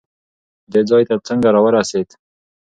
دې ځای ته څنګه راورسېد؟